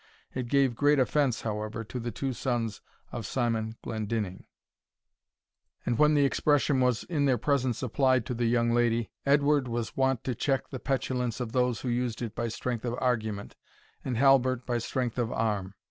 It gave great offence, however, to the two sons of Simon Glendinning; and when the expression was in their presence applied to the young lady, Edward was wont to check the petulance of those who used it by strength of argument, and Halbert by strength of arm.